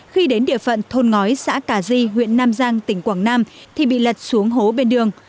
khi đến địa phận thôn ngói xã cà di huyện nam giang tỉnh quảng nam thì bị lật xuống hố bên đường